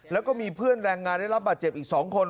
แล้วก็มีเพื่อนแรงงานได้รับบาดเจ็บอีก๒คน